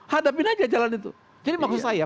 hadapin aja jalan itu jadi maksud saya